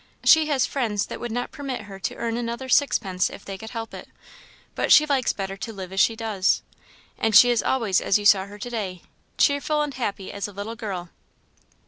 She has friends that would not permit her to earn another sixpence if they could help it, but she likes better to live as she does. And she is always as you saw her to day cheerful and happy as a little girl."